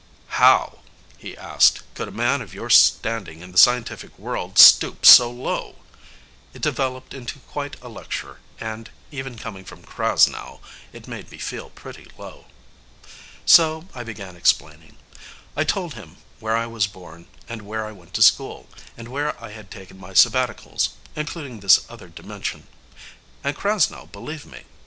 "How," he asked, "could a man of your standing in the scientific world stoop so low?" It developed into quite a lecture and, even coming from Krasnow, it made me feel pretty low. So I began explaining. I told him where I was born, and where I went to school, and where I had taken my sabbaticals including this other dimension. And Krasnow believed me.